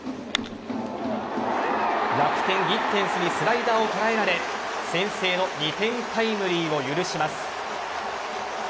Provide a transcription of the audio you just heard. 楽天・ギッテンスにスライダーを捉えられ先制の２点タイムリーを許します。